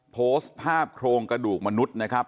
โพสต์ภาพโครงกระดูกมนุษย์นะครับ